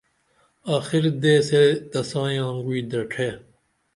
آخر دیسے تسائی آنگعوی دڇھے